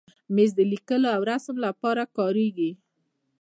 مېز د لیکلو او رسم لپاره کارېږي.